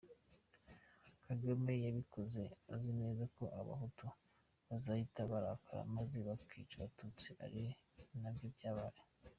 Kagame yabikoze azi neza ko abahutu bazahita barakara, maze bakica abatutsi, ari nabyo byabaye!